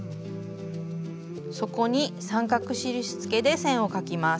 そこに三角印付けで線を描きます。